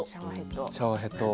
シャワーヘッドを。